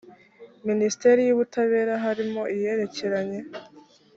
minisiteri y ubutabera harimo iyerekeranye